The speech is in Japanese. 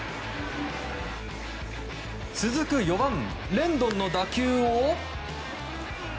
続く４番、レンドンの打球を。